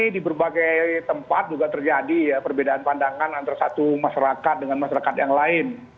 di berbagai tempat juga terjadi perbedaan pandangan antara satu masyarakat dengan masyarakat yang lain